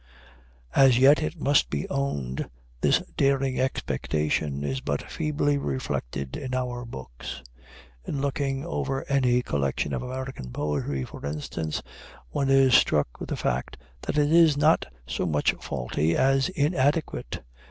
As yet, it must be owned, this daring expectation is but feebly reflected in our books. In looking over any collection of American poetry, for instance, one is struck with the fact that it is not so much faulty as inadequate.